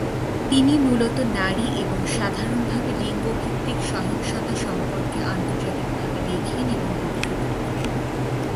তিনি মূলত নারী এবং সাধারণভাবে লিঙ্গ ভিত্তিক সহিংসতা সম্পর্কে আন্তর্জাতিকভাবে লেখেন এবং বক্তৃতা দেন।